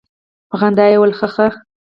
په خندا يې وويل خه خه.